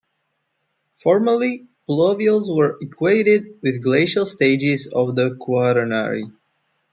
Formally, pluvials were equated with glacial stages of the Quaternary.